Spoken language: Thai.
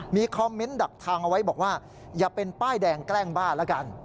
มีคอมเมนต์ดักทางเอาไว้บอกว่าอย่าเป็นป้ายแดงแกล้งบ้าแล้วกัน